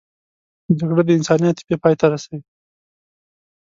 جګړه د انساني عاطفې پای ته رسوي